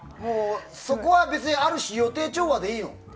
そこは別にある種、予定調和でいいの？